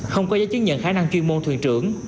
không có giấy chứng nhận khả năng chuyên môn thuyền trưởng